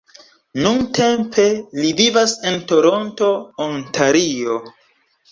Nuntempe li vivas en Toronto, Ontario.